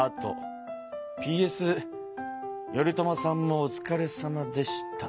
ＰＳ頼朝さんもおつかれさまでした」